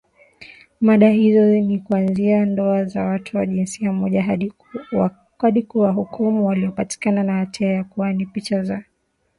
mada hizo ni kuanzia ndoa za watu wa jinsia moja hadi kuwahukumu waliopatikana na hatia ya kuwa na picha za ngono za watoto